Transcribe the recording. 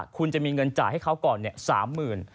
คุณจะมีเงินจ่ายให้เขาก่อน๓๐๐๐บาท